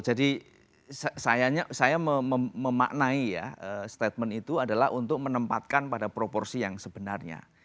jadi saya memaknai ya statement itu adalah untuk menempatkan pada proporsi yang sebenarnya